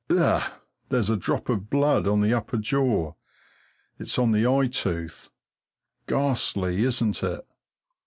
Ugh! There's a drop of blood on the upper jaw. It's on the eye tooth. Ghastly, isn't it?